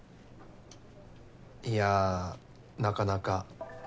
いやなかなか。